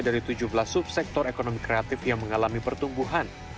dari tujuh belas subsektor ekonomi kreatif yang mengalami pertumbuhan